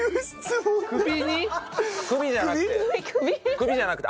首じゃなくて。